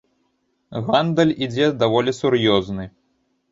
Гандаль ідзе даволі сур'ёзны.